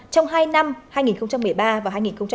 trong hai năm hai nghìn một mươi ba và hai nghìn một mươi chín